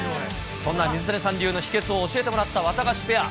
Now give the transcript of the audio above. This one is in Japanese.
そんな水谷さん流の秘けつを教えてもらったワタガシペア。